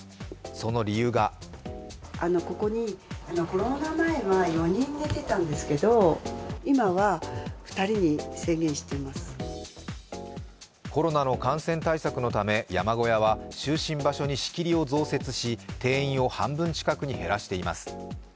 その理由がコロナの感染対策のため山小屋は就寝場所に仕切りを増設し定員を半分近くに減らしています。